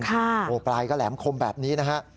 โอ้โหปลายก็แหลมคมแบบนี้นะฮะ